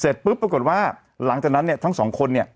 ปุ๊บปรากฏว่าหลังจากนั้นเนี่ยทั้งสองคนเนี่ย